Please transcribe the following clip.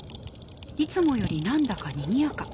いつもよりなんだかにぎやか。